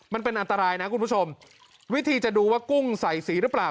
มันเป็นอันตรายนะคุณผู้ชมวิธีจะดูว่ากุ้งใส่สีหรือเปล่า